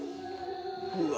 うわ